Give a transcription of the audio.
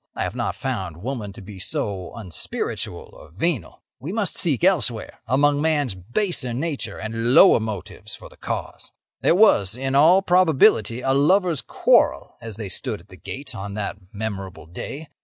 I have not found woman to be so unspiritual or venal. We must seek elsewhere, among man's baser nature and lower motives for the cause. "There was, in all probability, a lover's quarrel as they stood at the gate on that memorable day.